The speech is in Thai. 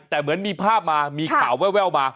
แต่เหมือนมีภาพมามีข่าวแววมา